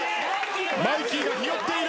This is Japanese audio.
マイキーがひよっている！